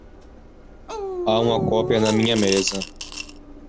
Há uma cópia na minha mesa.